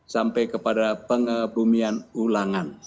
sampai kepada pengebumian ulangan